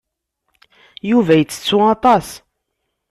Yuba yettettu aṭas.